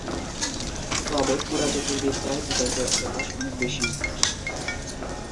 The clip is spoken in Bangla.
তবে পুরাজ্যোতির্বিদ্যায় বিতর্কের অবকাশ অনেক বেশি।